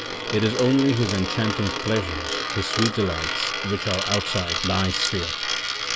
It is only his en chanting pleasures, his sweet delights, which are outside thy sphere.